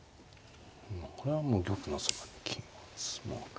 これはもう玉のそばに金を打つ。